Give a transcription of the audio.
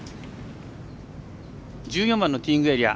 １４番のティーイングエリア。